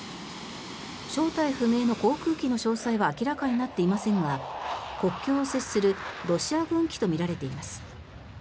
正体不明の航空機の詳細は明らかになっていませんが国境を接するロシア軍機とみられています。